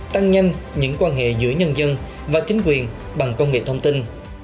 tăng nhanh những quan hệ giữa nhân dân và chính quyền bằng công nghệ thông tin